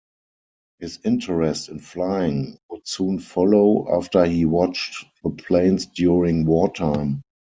His interest in flying would soon follow after he watched the planes during wartime.